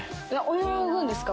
泳ぐんですか？